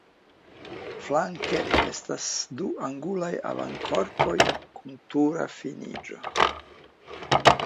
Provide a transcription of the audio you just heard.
Flanke estas du angulaj avankorpoj kun tura finiĝo.